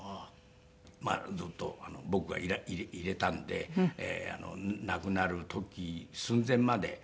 ずっと僕がいれたんで亡くなる時寸前まで。